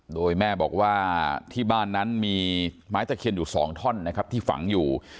โดยแม่บอกว่าที่บ้านนั้นมีไม้ตะเคียนอยู่๒ท่อนนะครับที่ฝังอยู่